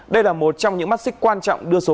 đây là một trong những mắt xích quan trọng đưa số